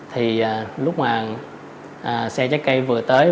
thì lúc mà xe trái cây vừa tới